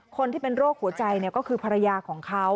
คนที่เป็นโรคหัวใจก็คือภรรยาของเขา